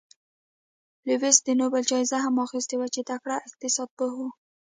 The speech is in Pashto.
لیوس د نوبل جایزه هم اخیستې وه چې تکړه اقتصاد پوه و.